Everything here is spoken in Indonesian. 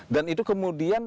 dan itu kemudian